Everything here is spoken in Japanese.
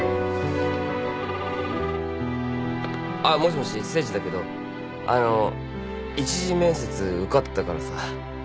あっもしもし誠治だけどあの一次面接受かったからさ。